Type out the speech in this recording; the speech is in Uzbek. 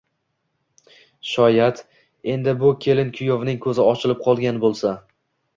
Shoyad, endi bu kelin-kuyovning ko`zi ochilib qolgan bo`lsa